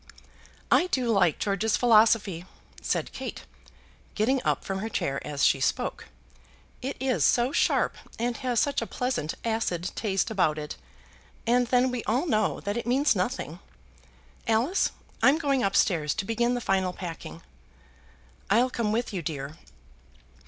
"I do like George's philosophy," said Kate, getting up from her chair as she spoke; "it is so sharp, and has such a pleasant acid taste about it; and then we all know that it means nothing. Alice, I'm going up stairs to begin the final packing." "I'll come with you, dear."